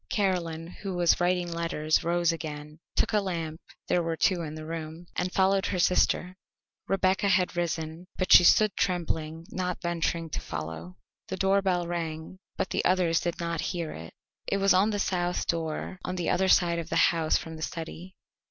Caroline, who was writing letters, rose again, took a lamp (there were two in the room) and followed her sister. Rebecca had risen, but she stood trembling, not venturing to follow. The doorbell rang, but the others did not hear it; it was on the south door on the other side of the house from the study.